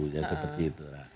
ya seperti itu